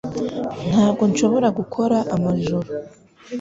Ntabwo nshobora gukora amajoro